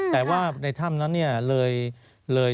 แต่ว่าในถ้ำนั้นเลย